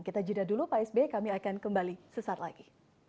kita jeda dulu pak sby kami akan kembali sesaat lagi